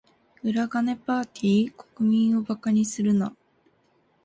裏金パーティ？国民を馬鹿にするな。